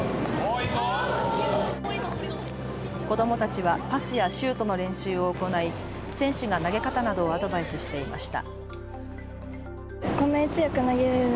子どもたちはパスやシュートの練習を行い選手が投げ方などをアドバイスしていました。